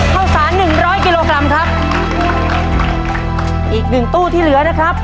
ข้าวสารหนึ่งร้อยกิโลกรัมครับอีกหนึ่งตู้ที่เหลือนะครับ